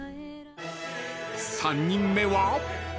［３人目は？］